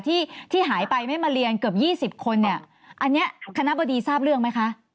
ที่ที่หายไปไม่มาเรียนเกือบ๒๐คนเนี่ยอันนี้คณะบดีทราบเรื่องไหมคะ